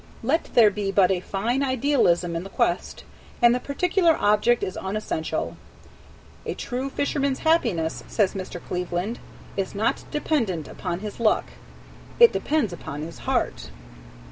Let there be but a fine idealism in the quest, and the particular object is unessential. "A true fisherman's happiness," says Mr. Cleveland, "is not dependent upon his luck." It depends upon his heart.